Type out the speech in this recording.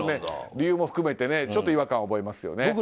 理由も含めてちょっと違和感を覚えますよね。